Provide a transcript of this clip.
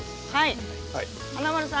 華丸さん